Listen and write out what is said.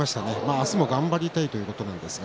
明日も頑張りたいということです。